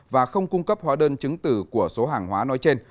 và không cung cấp hóa đơn chứng từ của số hàng hóa nói trên